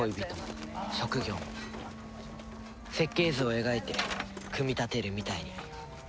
設計図を描いて組み立てるみたいに。